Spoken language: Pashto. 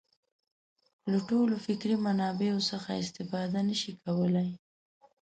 له ټولو فکري منابعو څخه استفاده نه شي کولای.